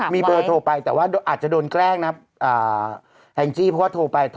ไม่ใช่อันนี้โดนแกล้งเปล่าพี่